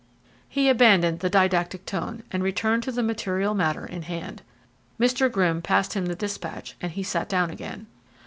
He abandoned the didactic tone, and returned to the material matter in hand. Mr. Grimm passed him the despatch and he sat down again.